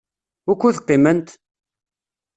Wukud qiment?